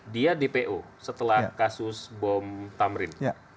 dia dpo setelah kasus bom tamrin